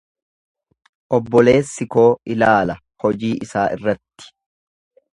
Obboleessi koo ilaala hojii isaa irratti.